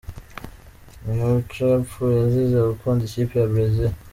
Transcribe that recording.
Maiocha yapfuye azize gukunda ikipe ya Brazil .